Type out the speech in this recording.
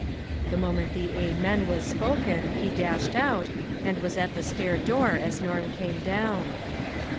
The moment the "amen" was spoken, he dashed out, and was at the stair door as Norm came down.